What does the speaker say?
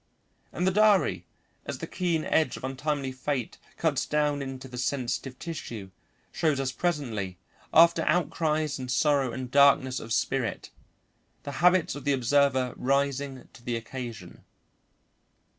And the diary, as the keen edge of untimely fate cuts down into the sensitive tissue, shows us presently, after outcries and sorrow and darkness of spirit, the habits of the observer rising to the occasion.